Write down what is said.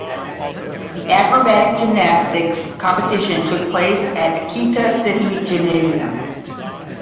The acrobatic gymnastics competition took place at Akita City Gymnasium.